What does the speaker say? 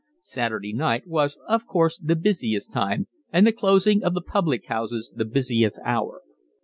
Saturday night was of course the busiest time and the closing of the public houses the busiest hour.